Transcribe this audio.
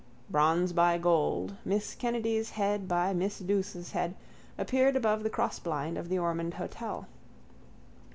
Bronze by gold, Miss Kennedy's head by Miss Douce's head, appeared above the crossblind of the Ormond hotel.